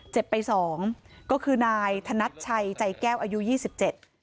เจ็บไปสองก็คือนายธนัดชัยใจแก้วอายุยี่สิบเจ็ด